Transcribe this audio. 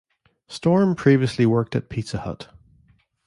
Storm previously worked at Pizza Hut.